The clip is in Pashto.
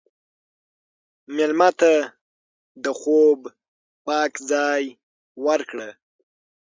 مېلمه ته د خوب پاک ځای ورکړه.